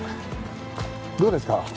どうですか？